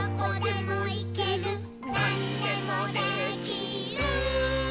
「なんでもできる！！！」